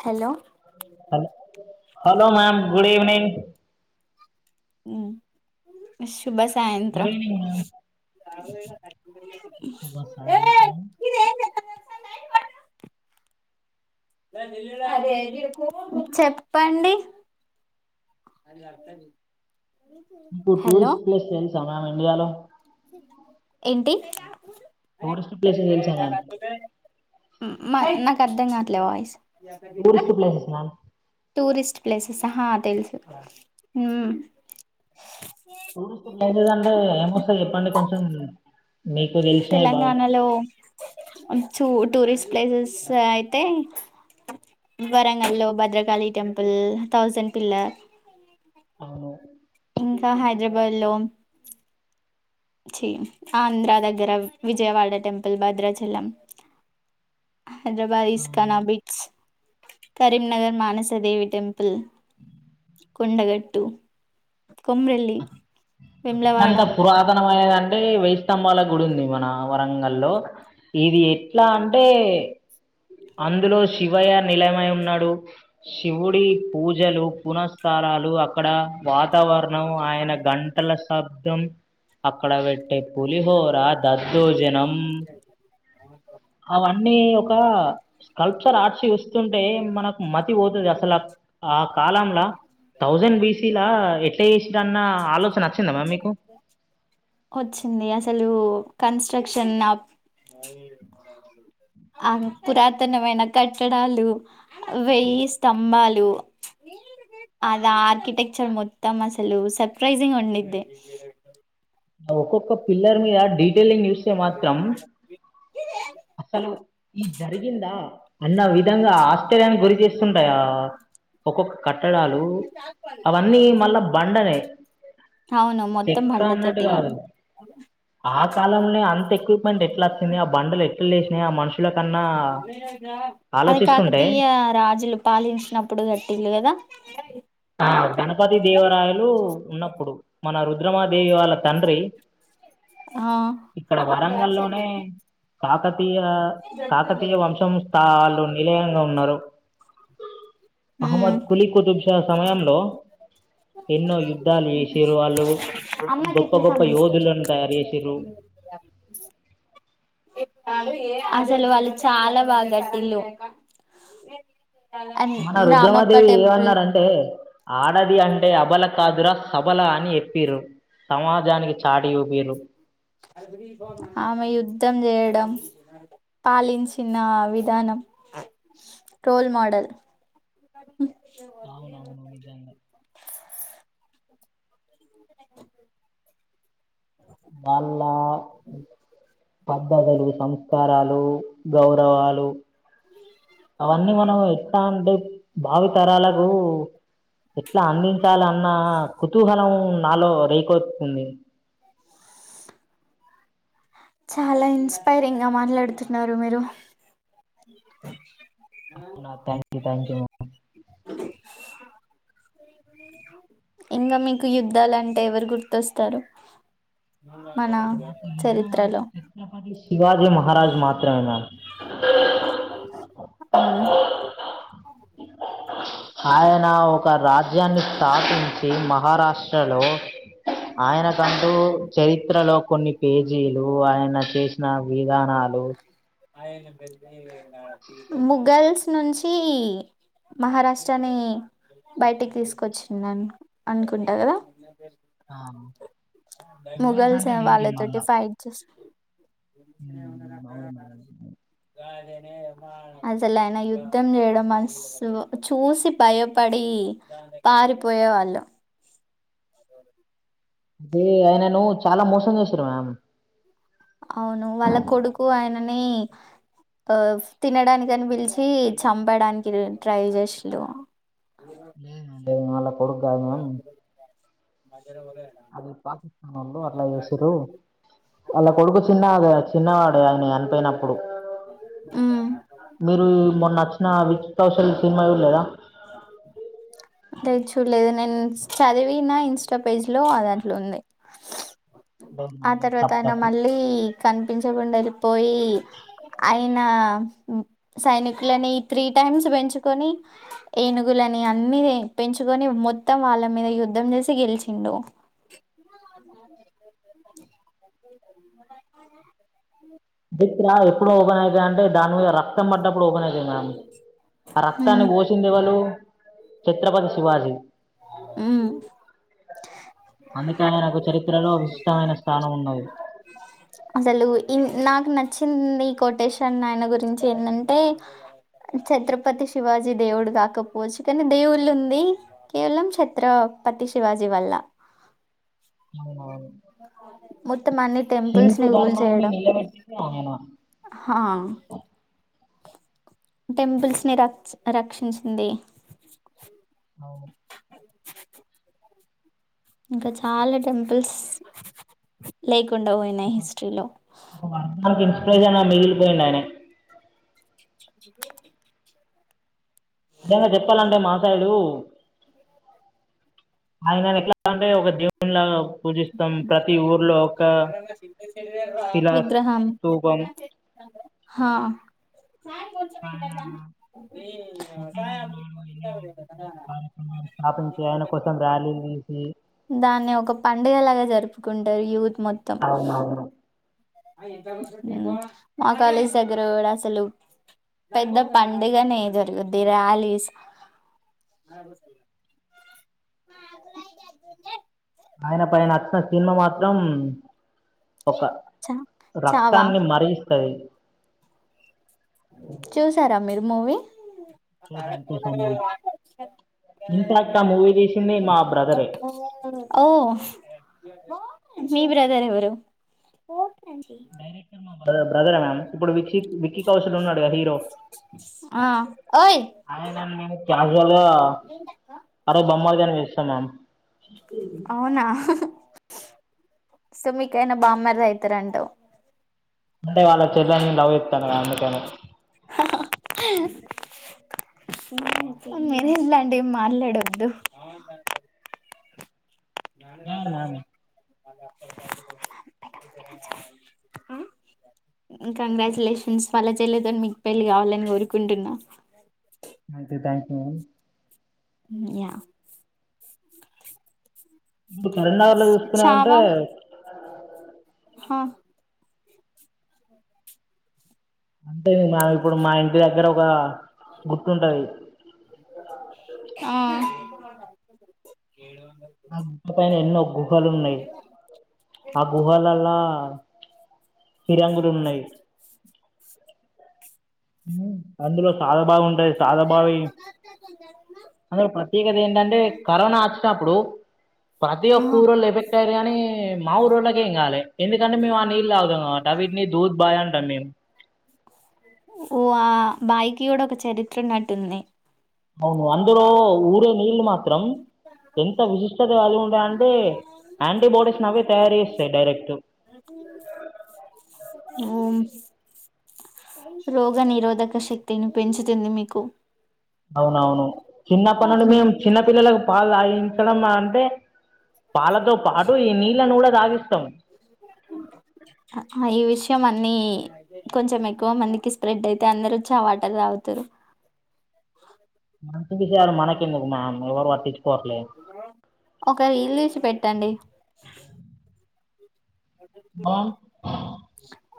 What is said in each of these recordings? Hello hello hello ma'am good evening ఊ శుభ good సాయంత్రం ఈవినింగ్ మ్యామ్ [unintelligible] శుభ సాయంత్రం చెప్పండి ఇప్పు హలో టూరిస్ట్ ప్లేస్ ఎంత [unintelligible] ఇండియాలో ఏంటి టూరిస్ట్ ప్లేస్ [unintelligible] మ్ నాకర్థంగాట్లే వాయిస్ టూరిస్ట్ ప్లేసెస్ మా టూరిస్ట్ ప్లేసెసా? తెలుసు హ్మ్ టూరిస్ట్ ఏం లేదంటే ఏమొస్తది చెప్పండి కొంచెం మీకు తెలిసినవి బాగా తెలంగాణలో చూ టూరిస్ ప్లేసెస్ అయితే వరంగల్లో భద్రకాళి టెంపుల్ థౌజండ్ పిల్లర్ అవును ఇంకా హైదరాబాద్ లో ఆంధ్ర దగ్గర విజయవాడ టెంపుల్ భద్రాచలం హైదరాబాద్ అవును ఇస్కానా బిట్స్ కరీంనగర్ మానసదేవి టెంపుల్ కొండగట్టు కొమ్రెల్లి వేములవాడ అత్యంత [unintelligible] అంటే వైస్తంభాల గుడి ఉంది మన వరంగల్లో ఇది ఎట్లా అంటే అందులో శివయ్య నిలయమై ఉన్నాడు. శివుడి పూజలు, పునఃస్థలాలు అక్కడ వాతావరణం ఆయన గంటల శబ్దం అక్కడ పెట్టే పులిహోర, దద్దోజనం, అవన్నీ ఒకా కల్చర్ ఆర్ట్స్ ఇస్తుంటే మనకు మ తి పోతుంది అసలు ఆ కాలంలా తౌసండ్ బిసిలా ఎట్ల జేసిడ్రన్న ఆలోచన వచ్చిందమ్మా మీకు? వచ్చింది అసలు కన్స్ట్రక్షన్ నప్ ఆ పురాతనమైన కట్టడాలు, వెయ్యి స్తంభాలు, అదా ఆర్కిటెక్చర్ మొత్తం అసలు సర్ప్రైజింగ్ ఉండిద్ది. ఆ ఒక్కొక్క పిల్లర్ మీద డీ టేలింగ్ చూస్తె మాత్రం అసలు ఇది జరిగిందా అన్న విధం గా ఆశ్చర్యానికి గురి చేస్తుంటాయి ఆ ఒక్కొక్క కట్టడాలు. అవన్నీ మళ్ళ బండనే అవును మొత్తం చెక్క బండ తొటి గా కాలంల్నే అంత ఎక్యుప్ పంటె ఎట్ల అచ్చింది, ఆ బండలె ట్ల లేశినయి ఆ మనుష్ అది ఆలోచిస్తుంటే కాకతీయ రాజులు పాలించినప్పుడు కట్టిల్లు కదా! అ ఆ గణపతి దేవరాయలు ఉన్నప్పుడు మన రుద్రమాదేవి వాళ్ళ తండ్రి. ఆ ఇక్కడ వరంగల్లోనే కాక తీయ కాకతీయ వంశం స్థాళ్లు నిలయంగా ఉన్నరు. [inaudible] హ్మ్ అహ్మద్ కులీ కుతుబ్షా సమయంలో ఎన్నో యు యుద్ధాలు చేసారు వాళ్ళు అమ్మ గొప్ప తిట్లి గొప్ప సమ్మిస్తాం యోధులను తయారు చేసారు అసలు వాళ్ళు చాలా బాగా కటిల్లు మన రుద్రమాదేవి ఏమన్నారంటే ఆడది అంటే అబల కాదురా సభల అని చెప్పిర్రు సమాజానికి చాటి చూపిర్రు ఆమె యుద్ధ యద్ధం చేయడం పాలించిన విధానం రోల్ మోడల్ అవునవును నిజంగా వాళ్ళ పద్ధతులు సంస్కారాలు గౌరవాలు అవన్నీ మనం ఎట్లా అంటే భావితరాలకు ఎట్లా అందించాలి అన్న కుతూహలం నాలో రేకెత్తుంది చాలా ఇన్స్పైరింగ్ గా మాట్లాడుతున్నారు మీరు ఆ థ్యాంక్ థ్యాంక్ వెరీ మచ్ [inaudible] ఇంకా మీకు యుద్దాలంటే ఎవరు గుర్తొస్తారు మన నాకు యుద్ధమంటే చరిత్రలో ఛత్రపతి శివాజీ మహారాజ మాత్రమే అండి అ అవును ఆయనా ఓ ఒక రాజ్యాన్ని స్థాపించి మహారాష్ట్ర హలో ఆయనకంటూ చరిత్రలో కొన్ని పేజీలు ఆయన చేసిన విధానాలు మొఘల్స్ నుంచి మహారాష్ట్రని బయటికి తీసుకొచ్చిందిను అనుకుంటా కదా ఆ మొఘల్స్ మొగల్స్ అంటే వేరే వాళ్ళతోటి మళ్ళా ఫైట్ చేసి మొగల్స్ ఉమ్ అవును అవును అవును అసలు ఆయన యుద్ధం చేయడం మనసు చూసి భయపడి పారిపోయే వాళ్ళు అదే ఆయనను చాలా మోసం చేశారు మ్యామ్ అవును వాళ్ళ కొడుకు ఆయన అని ఆ తినడానికి అని పిలిచి చంపడానికి ట్రై చేసిల్లు లేధు అమె తె మళ్ళ కొడు కాదు బస్ అది పాకిస్తాన్ వాళు అట్లా చేసిర్రు వాళ్ళ కొడుకు చిన్నాద చిన్నవాడే ఆయన చనిపోయినప్పుడు మ్మ్ మీరు మొన్నచ్చిన విచ్ కౌషత్య్రల్ సినిమా చూడలేదా లే నేను చదివినా ఇన్స్టా పేజ్ లో అది అట్లుంది ఆ తర్వాత తప్పు ఆయన తప్పు మళ్ళీ కనిపించకుండా [unintelligible] పోయి అయిన్ ఆ సైనికులని త్రీ టైమ్స్ పెంచుకొని ఏనుగులని అన్ని పెంచు గని మొత్తం వాళ్ళ మీద యుద్ధం చేసి గెలిచిండు దిప్ర ఎప్పుడు ఓపన్ అయితాయంటే దాని మీద రక్ రక్తం పడ్డప్పుడు ఓపెన్ అవుతంది మ్యాడమ్ ఆ రక్తాన్ని మ్మ్ పోసింది వాళ్ళు ఛత్రపతి శివాజీ ఉమ్ అందుకే ఆయనకు చరిత్రలో విశిష్టమైన స్థానం ఉన్నది ఇ నాకు నచ్చింది కోటేషన్ ఆయన గురించి ఏంటంటే ఛత్రపతి శివాజీ దేవుడు కాకపోవచ్చు కానీ దేవుళ్ళు ఉంది కేవలం ఛత్రపతి శివాజీ వల్ల మత్ హిందు ధర్మన్ని నిలబెట్టింది అయన చేయడం టెంపుల్స్ ని రక్ రక్షించింది అవును ఇంకా చాలా టెంపుల్స్ లైక్ [inaudible] అందరికీ పేదైనా మిగిలిపోయిందాయనే ఇ జంగా చెప్పాలంటే మాపాయిలు ఆయన ఎట్లా అంటే ఒక దేవునిలాగా పూజిస్తాం ప్రతి ఊర్లో ఒక శిలా విగ్రహం స్తూపం హా ఆయన పుట్టిరోజు నాడు [inaudible] కార్యక్రమాలు స్థాపించి ఆయన కోసం ర్యాలీలు చేసి ఎఫుకుంటారు యూ నికి మొత్తం మా కాలేజ్ దగ్గర కూడా అసలు పెద్ద పండుగనే జరుగుద్ది ర్యాలీస్ ఆయన పైన అచ్చిన సినిమా మాత్రం ఒక చా చావా రక్తాన్ని మరిగిస్ కై చూసారా మీరు మూవీ చూసాం చూసాం మ్యామ్ ఇన్ఫాక్ట్ ఆ మూవీ తీసింది మా బ్రదరే ఓ మీ బ్రదర్ ఎవరు డైరెక్టర్ మా బ్ర బ్రదర అనాలి ఇప్పుడు విష్కి విక్కీ కౌశల్ ఉన్నాడుగా హీరో ఆ ఓయ్ మాములుగా అరోజు బొమ్మలుగానివేసా మ్యామ్ అవునా సో మీకాయన బామ్మరిది అయితారంట అంటే వాళ్ళ చెల్లెల్ని లవ్ చేత్తనా అందుకని నేను లండి ఏం మాట్లాడొద్దు యా మ్యామ్, [unintelligible] కంగ్రాచులేషన్స్ వాళ్ళ చెల్లతోని మీకు పెళ్లి కావాలని కోరుకుంటున్నా. అంతే థ్యాంక్ యూ యా ఇప్పుడు కరీంనగర్ లో చూసుకునామంటే చావా హా అంతే మా ఇప్పుడు మా ఇంటి దగ్గర ఒగ గుర్తుంటాంది ఆ [inaudible] ఆ గుట్ట పైన ఎన్నో గుహలు ఉన్నాయి. ఆ గుహల్లలా పిరంగులున్నాయి అందులో హా [unintelligible] సర్నెమ్ ఓ ఆ బాయికి కూడా ఒక చరిత్ర ఉన్నట్టుంది. అవును అందరు ఊరే నీళ్ళ మా [unintelligible] ఎంత విశిష్టత కలిగి ఉంటాయి అంటే యాంటీబాడీస్ అవే తయారు చేస్తాయి డైరెక్ట్ రోగ నిరోధక శక్తిని పెంచుతుంది మీకు అవునవును ఆ, చిన్నప్పన్న నుండి ఏ మేము చిన్న పిల్లలకు పాలు దాగి ముసలమ్మా అంటే పాలతో పాటు ఈ నీళ్ళలను కూడా సాగిస్తాం ఈ విషయం అన్ని కొంచెం ఎక్కువ మందికి స్ప్రెడ్ అయితే అందరు చవాటగా అవుతరు. [unintelligible] మనకి ఎందుకు మ్యామ్ ఎవరు పట్టి ఒక ఇల్లుసి పెట్టండి అక [unintelligible]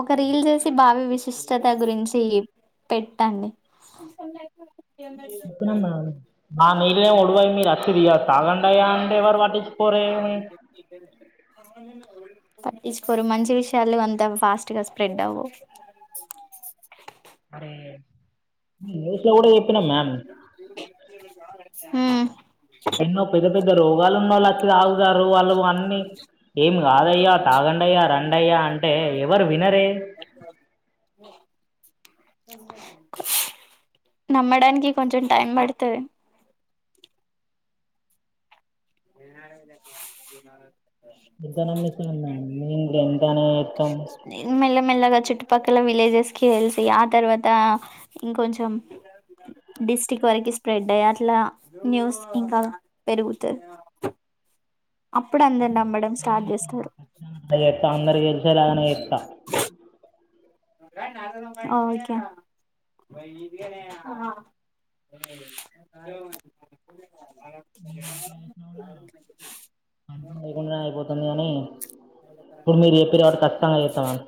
ఒక రీల్ జేసి బావి విశిష్టత గురించి పెట్టండి. చెప్పినాం మేడం మా నీళ్ళే ఒడివయి మీరు వచ్చి ఇగ తాగండయ్యా అంటే ఎవరు పట్టించుకోరే పట్టిచ్చుకోరు మంచి విష్యాలు అం తమ్ ఫాష్ట్ గ స్ప్రెడ్ అవ్వవ్. అరే న్యూస్ లో గూడ జెప్పినమ్ మ్యామ్. ఆ ఎన్నో పెద్ద పెద్ద రోగాలున్నోళ్ళొచ్చి తాగుతారు వాళ్ళువన్నీ ఏం కాదయ్యా తాగండయ్యా రం. అయ్యా అంటే ఎవర్ వినర్ టె నమ్మడానికి కొంచెం టైం బడ్తది. ఏ ఇంత కన్నా మీకింగ మేమింగెంతని జేత్తం. పక్కల విలేజెస్ కి తెల్సి ఆ తర్వాత ఇంకొంచెం డిస్టిక్ట్ వరకి స్ప్రెడ్ అయ్ అట్ల న్యూస్ ఇంక పెరుగుతది. అప్పుడు అందరు నమ్మడం స్టార్ట్ చేస్తారు [unintelligible] [inaudible] జేత్త అందర్కి దెల్షేలాగనే జేత్త. ఓకే ఆ. మేమెంత జేష్నాగూడా [inaudible] అయ్పోతాంది గాని ఇప్పుడు మీరు జెప్పిర్రు కావట్టి ఖచ్చితంగ జేత్త నేను.